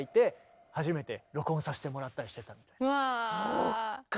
そっか！